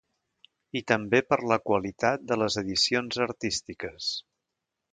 I també per la qualitat de les edicions artístiques.